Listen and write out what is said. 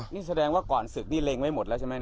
นี่แสดงว่าก่อนศึกนี่เล็งไว้หมดแล้วใช่ไหม